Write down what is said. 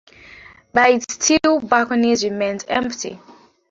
But its balconies remained empty.